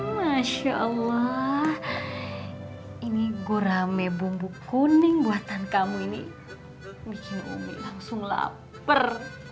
masya allah ini gurame bumbu kuning buatan kamu ini bikin umi langsung lapar